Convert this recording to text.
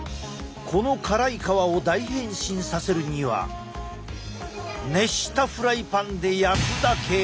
この辛い皮を大変身させるには熱したフライパンで焼くだけ。